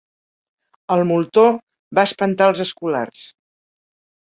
El moltó va espantar els escolars.